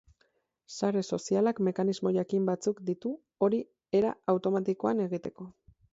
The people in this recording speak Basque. Sare sozialak mekanismo jakin batzuk ditu hori era automatikoan egiteko.